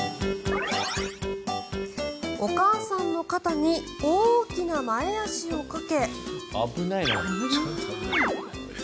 お母さんの肩に大きな前足をかけ。